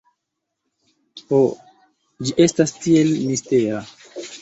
Ho, ĝi estas tiel mistera